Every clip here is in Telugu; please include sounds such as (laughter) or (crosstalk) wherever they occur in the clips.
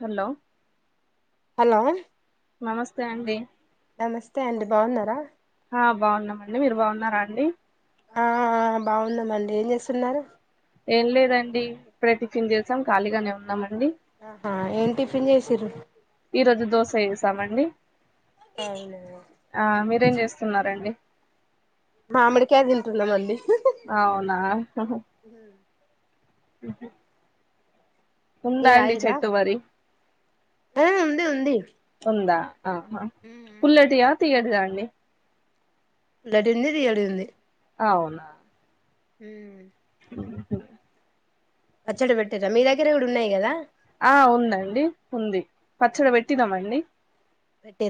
హలో హలో నమస్తే అండి నమస్తే అండి బాగున్నారా ఆ బాగున్నామండి మీరు బాగున్నారా అండి ఆ బాగున్నామండి ఏం చేస్తున్నారు ఏం లేదండి ఇప్పుడే టిఫిన్ చేసాం ఖాళీగానే ఉన్నామ ండి ఆహా ఏం టిఫిన్ చేసిర్రు ఈరోజు దోశ ఎసామండి అవున రేం చేస్తున్నారండి మామిడికాయ తింటున్నామండి అవునా ఉహ్మ్ టీ ఉందాండి తాగిర్రా చెట్టు మరి ఆ ఉంది ఉంది ఉందా ఆహ పుల్లటియా తీయటిదా అండి పుల్లటిదుంది తియ్యటిదుంది అవునా ఉమ్ పచ్చడ పెట్టిర్రా మీ దగ్గర కూడా ఉన్నాయి కదా ఆ ఉందండి ఉంది పచ్చడ పెట్టినమండి పెట్టే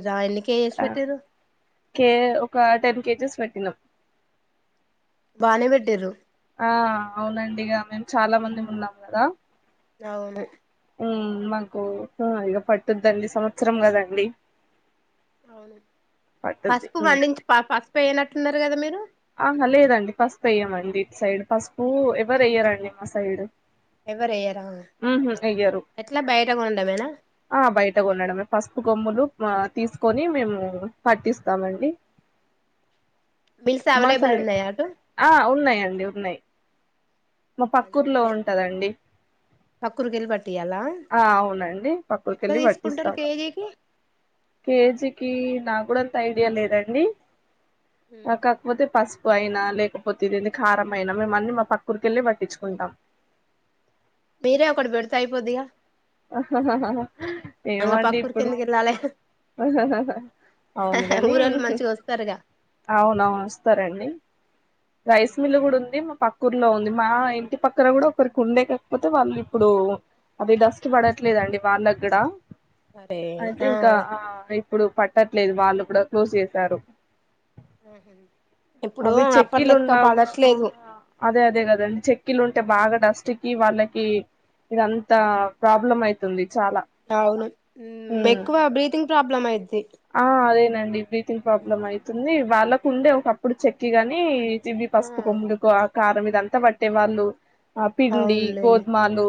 కేే ఒక టెన్ కేజెస్ పెట్టినం బానే పెట్టిర్రు ఆ అవునండి ఇగా మేము చాలా మంది ఉన్నాం కదా అవును ఉమ్ మాకు ఇగ పట్టుద్దండి సంవత్సరం కదండి అవునండి పట్టుద్ది పసుపు ఉమ్ పండించి ప పసుపు ఎయనట్టున్నారు కదా మీరు ఆహా లేదండి పసుపు ఎయ్యమండి ఇట్ సైడ్ పస్పు ఎవరు అయ్యారండి మా సైడ్ ఎవరేయ్యరా ఉహు వెయ్యరు ఎట్లా బయట కొనడమేనా ఆ బయట గోనడమే పసుపు కొమ్ములు మా తీసుకొని మేము పట్టిస్తామండి మిల్స్ మా సై అవైలబుల్ ఉన్నాయా అటు ఆ ఉన్నాయండి ఉన్నాయ్ మా అదే పక్కూర్లో మరి ఉంటదండి పక్కూరికెళ్ళి పట్టియాలా ఆ అవునండి ఎట్లా పక్కూర్కెళ్ళి తీసుకుంటారు పట్టిస్తాం కేజీకి కేజీకి నా కూడా అంత ఐడియా లేదండి కాకపోతే పస్ పు అయినా లేకపో ఇదేందీ కారం అయినా మేమన్ని మా పక్కూర్కెళ్లే పట్టించుకుంటాం మీరే ఒకటి పెడితే అయిపోద్దిగా ఏమో ఇంగ అండి పక్కూరికి ఇప్పుడు ఎందుకు వెళ్ళాలే అవును గని ఊరోళ్ళు మంచిగా వస్తారుగా అవునవును వస్తారండి రైస్ మిల్ కూడా ఉంది మా పక్ కుర్లో ఉంది మా ఇంటి పక్కన కూడా ఒకరికి ఉండే కాకపోతే వాళ్ళు ఇప్పుడు అదే డస్ కి పడట్లేదండి వాళ్ళ కూడా అరే అయితే ఆ ఇంకా అ ఇప్పుడు పట్ట ట్లేదు వాళ్ళు కూడా క్లోజ్ చేశారు మ్ హు అవి చెక్కిలు ఉన్నా కూడా అ అదే అదే కదండి చెక్కిలు ఉంటే బాగా డస్ కి వాళ్ళకి ఇదంత ప్రాబ్లం అయితుంది చాలా అవును మ్ ఉమ్ ఎక్కువ బ్రీతింగ్ ప్రాబ్లం అయిద్ధి నండి బ్రీతింగ్ ప్రాబ్లం అయితుంది వాళ్ళకుండే ఒకప్పుడు చెక్కి గాని ఇవి ఆ పసుపు కొమ్ములకో ఆ కారం ఇదంతా పట్టే వాళ్ళు ఆ పిండి అవునులేండి గోధుమలు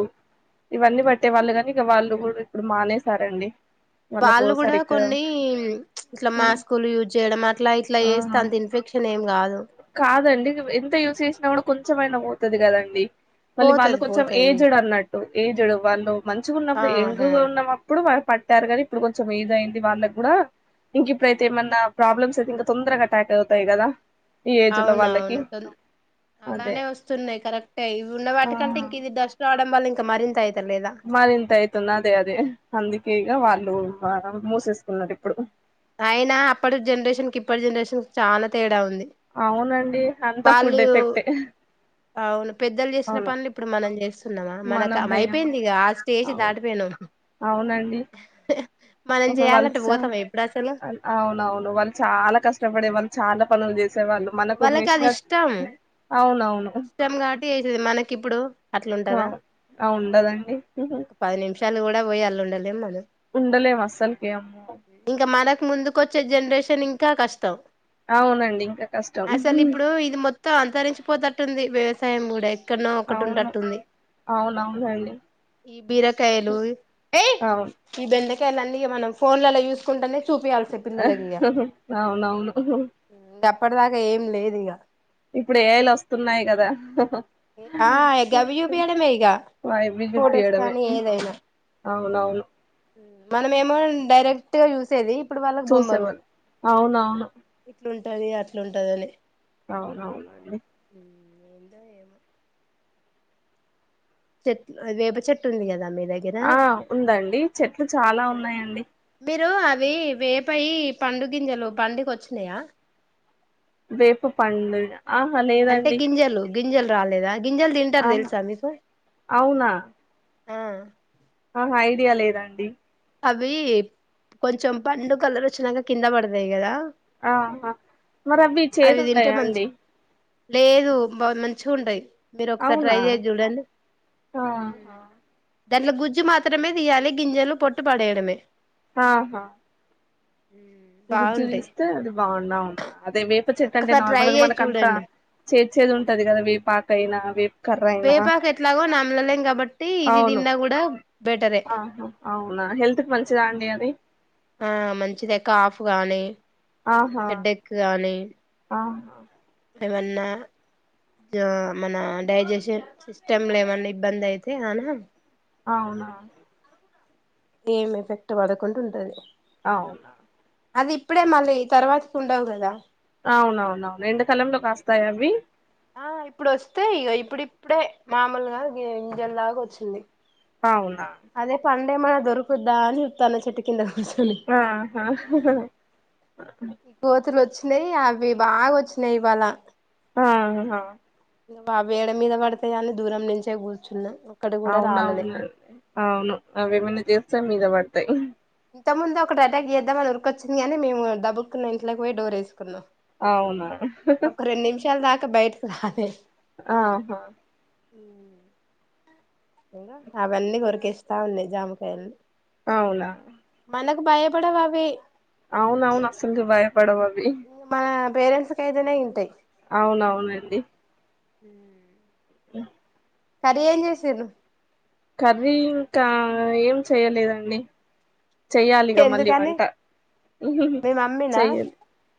ఇవన్నీ బట్టే వాళ్ళు కాని ఇగ వాళ్ళు కూడా ఇప్పుడు మానేసారండి వాళ్ళకు వాళ్ళు కూడా సరిగ్గా కొన్ని ఇట్లా హ్మ్. మాస్కులు యూజ్ చేయడం అట్లా ఇట్లా ఆ వేస్తే అంత ఇన్ఫెక్ క్షన్ ఎం కదు కాదండి ఎంత యూస్్ చేసినా కూడా కొంచెంమయినా పోతది కదండి మళ్ళీ వాళ్ళు పోతది కొంచం పోతది ఏజ్డ్ అన్నట్టు ఏజ్డ్ వాళ్ళు మంచిగా ఉన్నప్పుడు ఎయంగ ఆహా ఉన్నప్పుడు వా పట్టారు కానీ ఇప్పుడు కొంచెం ఏజ్ అయింది వాళ్ళకి కూడా ఇంక ఇప్పుడైతే ఏమన్నా ప్రాబ్లమ్స్ అయితే ఇంకా తొందరగా అటాక్ అవుతాయి కదా ఈ ఏజ్ లో వాళ్ళకి అవునవును తోన్ అదే అలానే వస్తున్నాయి కరెక్టే ఇవి ఉన్న ఆ వాటికంటే ఇంక ఇది డస్ట్ రావడం వల్ల ఇంకా మరింత అయి మరి ఇంత అయితుంది అదే అదే అందుకే ఇగ వాళ్ళు మూసేసుకున్నారు ఇప్పుడు అయినా అప్పటి జనరేషన్ కి ఇప్పటి జనరేషన్ కి చాలా తేడా ఉంది అవునండి అంతా ఫుడ్ ఎఫెక్ట్ ఏ ఆవును పెద్దలు చేసిన పనులు ఇప్పుడు మనం చేస్తున్నామా మనకు మనం చేయము అయిపోయింది ఇగ ఆ స్టేజ్ దాటిపోయినాం దండి మనం వాళ్ళు చేయాలంటే చ పోతామా ఇప్పుడు అసలు అవునవును వాళ్ళు చాలా కష్టపడే వాళ్ళు చాలా పనులు చేసి సేవాళ్ళు మనకు వాళ్ళకి అది మిషినో ఇష్టం ఇష్టం కాబట్టి చేసేది మనకిప్పుడు అట్లుంటదా ఆ ఉండదండి చ కూడా పోయ్యి అల్ల ఉండలేం మనం ఉండలేము అస్సలకి అమ్మో ఇంకా మనకు ముందు కోచ్చే జనరేషన్ ఇంకా కష్టం అవునండి ఇంకా కష్టం అసలు ఇప్పుడు ఇది మొత్తం అంతరించిపోతట్టుంది వ్యవసాయం కూడా ఎక్కన్నో ఒకటి అవును ఉంటట్టుంది అవునవునండి ఈ బీరకాయలు ఏ అవును ఈ బెం కాయలన్నీ ఇగ మనం ఫోన్లలా చూసుకుంటనే చూపియాల్సే పిల్లలకి ఇగ అవునవును అప్పటిదాకా ఏం లేదు ఇగ ఇప్పుడు ఏఐ లోస్తున్నాయి కదా ఆ ఇగ గవ్వి చూపియ్యడమే ఇగా అవి ఫోటోస్ చూపియడమే కానీ ఏదైనా అవునవును మ్ మనం ఏమో డైరెక్ట్ గా చూసేది ఇప్పుడు వాళ్ళకు బొమ్మలు చూసేవాళ్ళు అవునవును ఇట్లాంటది అట్లుంటది అని అవునవునండి ఏందో ఏమొ చెట్ వేప చెట్టు ఉంది కదా మీ దగ్గర ఆ ఉందండి చెట్లు చాలా ఉన్నాయండి మీరు అవి వెపయి పండు గింజలు పండుకోచ్చినయా వేప పండు ఆహా అంటే లేదండి. గింజలు గింజలు రాలేదా గింజలు తింటారు ఆహా తెలుసా మీకు ఆ ఆహ ఐడియా లేదాండి అవి కొంచెం పండు కలర్ వచ్చినంక కింద పడుతయి కదా ఆహ మరి అవి తింటే చేదుండయా మంచి అండి లేదు బా మంచిగుంటాయ్ మీరు ఒకసారి ట్రై అవునా చేసి చూడండి. ఆహా దాంట్లొ గుజ్జు మాత్రమే తీయాలి గింజలు పొట్టు పడేయడమే ఆహా గుజ్జు బాగుంటాయి తీస్తే అది బాగున్నా అదే వేప చెట్టు అంటే ఒక్కసారి ట్రై నార్మల్గా చేసి మనక అంత చూడండి చెట్ చేదు ఉంటది కదా వేపాకాయినా వే వేపాకు ఎట్లాగో నమ్మలలేం కాబట్టి ఇది అవును తిన్న కూడ బెటరే ఆహా అవునా హెల్త్ కు మంచిదా అండి అది ఆ మంచిదే కాఫ్ గానీ హెడ్డెక్క్ గానీ అ ఏమన్నా జ మన డైజెషన్ సిస్టమ్ లో ఏమన్నా ఇబ్బంది అయితే అనా అవునా ఏం ఎఫెక్ట్ పడకుండా ఉంటది అవును అది ఇప్పుడే మళ్ళీ తర్వాతకి ఉండవు కదా అవునవునను ఎండకాలంలో కాస్తాయ అవి ఆ ఇప్పుడు వస్తాయి ఇగ ఇప్పుడిప్పుడే మామూలుగా గి గింజల్ లాగా వచ్చింది అవునా ఎమన్న దొరుకుద్దా అని చూత్తన్న చెట్టు కింద కూర్చొని అహా కోతులు వచ్చినాయి అవి బాగా వచ్చినాయి ఇవాళ ఆహా అవి యెడ మీద పడతయి అని దూరం నుంచే కూర్చున్నా ఒక్కటి కూడా రాలలే అవునవును అవును అవేమైనా చేస్తే మీద పడతాయి ఇంతముందు ఒక ఎటాక్ చేద్దామనిఊరికోచ్చింది కానీ మేము దబుకున్న ఇంట్లకు పోయి డోర్ వేసుకున్నాం అవునా ఒక రెండు నిమిషాల దాకా బయటకి రాలే ఆహా (inaudible) అవన్నీ కొరికేస్తా ఉన్నయి జామకాయల్ని అవునా మనకు భయపడవ్ అవి అవునవును అసల్కె బయపడవ్ అవి మన పేరెంట్స్ కైతేనే ఇంటాయ్ అవునవునండి (inaudible) హ్మ్. కర్రీ ఏం చేసిండ్రు. కర్రీ ఇంక ఏం చెయలేదండి. చెయ్యాలిగా మళ్ళీ ఎందుకని వంట మీ మమ్మీనా చెయ్యను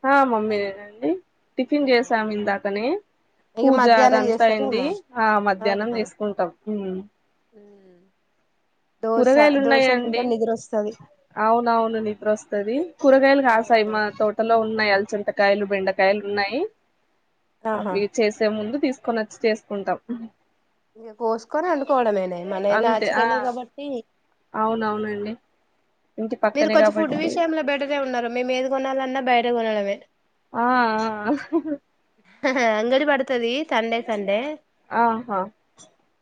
హ మమ్మీ నేనండి. టిఫిన్ చేసాం ఇందాకనే. ఇక పూజ మధ్యాహ్నం అదంతా అయింది చేస్తారేమో ఆ మధ్యాహ్నం చేసుకుంటాం. హ్మ్. కూరగాయలు ఉన్నాయా అండి. వస్తది అవునవును నిద్ర వస్తది కూరగాయలు కాసాయి మా తోటలో ఉన్నాయి అల్చంట. కాయలు బెండకాయలు ఉన్నాయి ఆహా అవి చేసే ముందు తీసు. కొని వచ్చి చేసుకుంటాం. ఇగ కోసుకొని అండుకోవడమేనే మన అంతే ఆ నాచురల్ ఏ కాబట్టి. అవునవునండి. ఇంటి మీరు పక్కనే కొంచెం ఫుడ్ కాబట్టి విషయంలో బెటరే ఉన్నారు మేము ఏది కొనాలన్నా బయట కొనడమే. అ ఆ. అంగడి పడుతది సండే సండే. ఆహా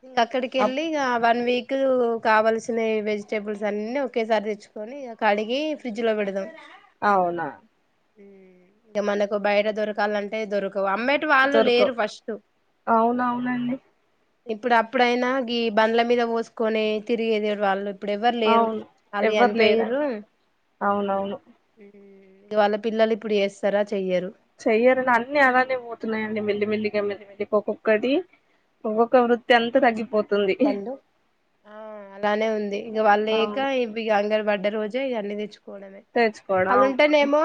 ఇంగ అక్కడికి అప్ వెళ్ళి ఇక వన్ వీక్. కావల్సిన వెజిటేబుల్స్ అన్ని ఒకేసారి తెచ్చుకొని కడిగి ఫ్రిడ్జ్ లో పెడదాం. అవునా. ఇంక మనకు బయట దొరకాలంటే దొరక. అమ్మేటి వాళ్ళు లేరు దొరకవ్ ఫస్ట్. అవునవునండి ఇప్పుడు అప్పుడైనా ఈ బండ్ల మీద పోసుకొని తిరిగేది వాళ్ళు. ఇప్పుడు ఎవ్వరు లేరు అవును వాళ్ళు ఎవ్వరు చనిపోయరు. లేరండి అవునవును వాళ్ళ పిల్లలు ఇప్పుడు చేస్తరా. చెయ్యరు అన్ని అలానే పోతున్నాయండి మెల్లి మెల్లిగా మెల్లిమెల్లి గా ఒక్కొక్కటి. ఒక్కొక్క వృత్తి అంత తగ్గిపోతుంది. పండు ఆ అలానే ఉంది ఇక వాళ్ళేక అవును ఇవి అంగన్వాడీ. అడ రోజే ఇవ అన్ని తెచ్చుకోవడమే తెచ్చుకోవడం అది అవును ఉంటేనేమో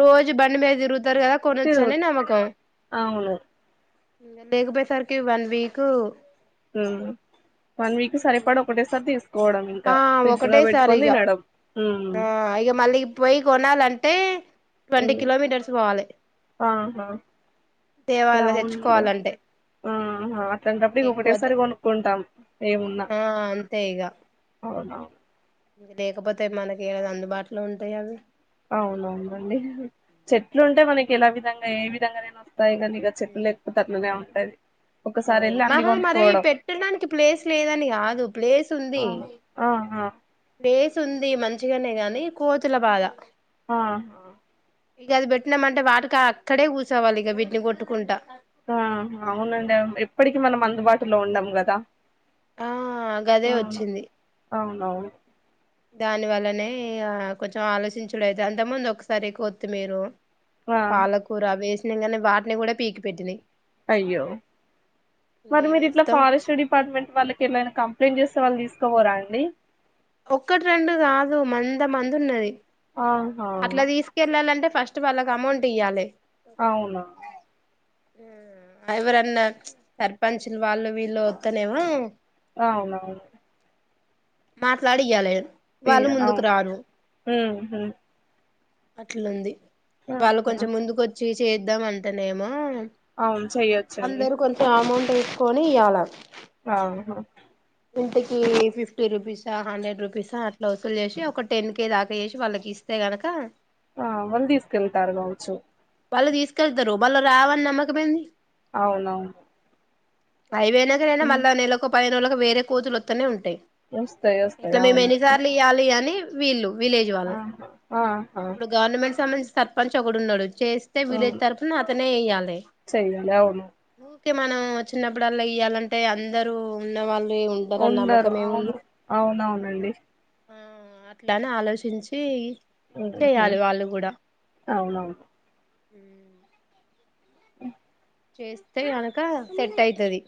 రోజు బండి మీద తిరుగుతుండే. ఇద్దరుగాదా తిరుగు కొనచ్చనే నమ్మకం. అవును లేకపోయేసరికి వన్ వీక్. ఉమ్ వన్ వీక్ సరిపడు ఒకటేసారి తీసు. కోవడం ఇంకా ఆ ఫ్రిజ్ లో ఒకటేసారి పెట్టుకొని ఇగ తినడం. ఆ ఇగ మళ్ళీ పోయి కొనాలంటే ట్వంటీ ఉమ్ కిలోమీటర్స్ పోవాలి ఆహా. ఇగ తేవాల అమేవుంది తెచ్చుకోవాలంటే ఆ ఇంక అట్లాంటప్పుడు ఎక్కువ ఇగాఒకటేసారి కొనుక్కుంటాం. ఏమున్నా ఆ అంతే ఇగ. అవునవును లేకపోతే మనకి ఐ అందుబాటులో ఉంటాయి అవి. అవునవునండి చెట్లు ఉంటే మనకి ఎలా విధంగా ఏ విధంగానైనా. పైగా నీకు అ చెట్లు లేకపోతే అట్లనే ఉంటది. ఒకసారి అవును వెళ్ళి అన్ని మహా మరి కొనుక్కోవడం పెట్టడానికి ప్లేస్ లేదని కాదు ప్లేస్ ఉంది. ఆహా ఆహా ప్లేస్ ఉంది మంచిగానే గాని కోతుల బాధ‌. ఆ. ఇంగ అది పెట్టినాంటే వాటికి అక్కడే కూర్చోవాలి ఇక వీటిని కొట్టుకుంటా. ఆ అవునండి ఎప్పటికి మనం అందుబాటులో ఉండం కదా. ఆ గదే అవును వచ్చింది. అవునవును. దాని వల్లనే ఇ ఆ కొంచెం ఆలోచించుడు అయిత అంత ముందు ఒకసారి కోత్తిమీరు ఆ పాలకూర వేసినంగానే వాటిని గుడ పీకి పెట్టినయి అయ్యో మరి ఇంకేం మీరు ఇట్ల వేస్తాం ఫారెస్ట్ డిపార్ట్మెంట్ వాళ్లకి ఏమైనా కంప్లైంట్ చేస్ త వాళ్లు తీసుకోపోరా అండి? ఒక్కటి రెండు కాదు, మంద మందున్నది ఆహా అట్ల తీసుకెళ్ళాలంటే ఫస్ట్ వాళ్ళకు అమౌంట్ ఇయ్యాలే. అవునా ఎవరన్నా ప్చ్ సర్పంచులు వాళ్ళు వీళ్ళు వత్తేనేమో అవునవును మాట్లాడియ్యాలె వాళ్ళు తీయన్ ముందుకు అవును రారు ఉహు అట్లుంది వాళ్ళు ఆహా కొంచెం ముందుకు వచ్చి చేద్దాం అంటనేమో అవును చెయ్యొచ్చండి అందరు కొంచెం అమౌంట్ ఏసుకొని ఇయ్యాల ఆవును ఇంటికి ఫిఫ్ ఫిఫ్టీ రూపీసా హండ్రెడ్ రూపీసా అట్ల వసూలు చేసి ఒక టెన్ కే దాకా చేసి వాళ్ళకి ఇస్తే గనక, ఆ వాళ్ళు తీసుకెళ్తారు కావచ్చు. వాళ్ళు తీసుకెళ్తారు మల్ల రావని నమ్మకమెంది. అవునవును పై వెలు ఎదురైనా హ్మ్. మళ్ళా నెలకో పదిహెను రోజులకో వేరే కోతులొత్తనే ఉంటై వస్తాయి ఇట్ల వస్తాయి మేము అవునండి ఎన్నిసార్లు ఇయ్యాలి అని వీళ్ళు విలేజ్ వాళ్ళు, ఆహా ఆహా ఇప్పుడు గవర్నమెంట్ సంబంధి సర్పంచ్ ఒకడు ఉన్నడు, చేస్తే విలేజ్ తరఫున అతనే ఎయ్యాలె చెయ్ లేవము తే మనం చిన్నప్పుడల్లా ఇయ్యాలంటే అందరు ఉన్న వాళ్ళు రె ఉంటరని ఉండరు నమ్మకం ఏముంది? అవును అవునవునండి ఉమ్ అట్లానే ఆలోచించి ఉహు. చేయాలె వాళ్ళు కూడా అవునవును ఉమ్ చేస్తే కనక సెట్ ఐతది.